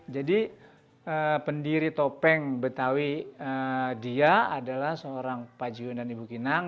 jadi pendiri topeng betawi dia adalah seorang pak jiun dan ibu kinang